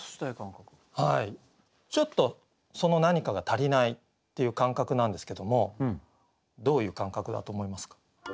ちょっとその何かが足りないっていう感覚なんですけどもどういう感覚だと思いますか？